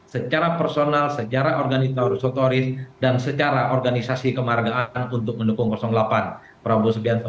secara personal secara organitari sotoris dan secara organisasi kemargaan untuk mendukung delapan prabowo subianto